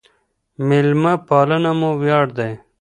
ميلمه پالنه مو وياړ دی.